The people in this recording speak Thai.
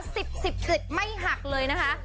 สิบสิบเจ็ดไม่หักเลยนะคะ